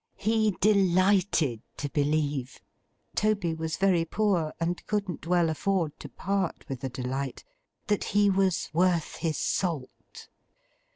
He delighted to believe—Toby was very poor, and couldn't well afford to part with a delight—that he was worth his salt.